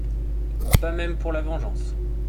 Pas même pour la vengeance.